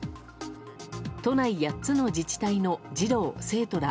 都内８つの自治体の児童・生徒ら